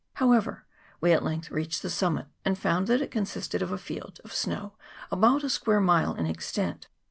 However, we at length reached the summit, and found that it consisted of a field of snow about a square mile in extent.